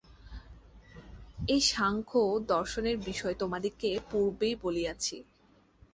এই সাংখ্যদর্শনের বিষয় তোমাদিগকে পূর্বেই বলিয়াছি।